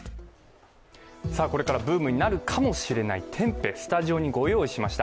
これからブームになるかもしれないテンペ、スタジオにご用意しました。